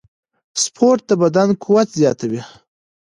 سپورت د بدن قوت زیاتوي.